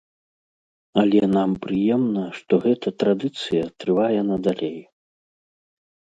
Але нам прыемна, што гэта традыцыя трывае надалей.